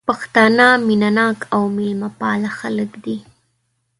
پښتانه مينه ناک او ميلمه پال خلک دي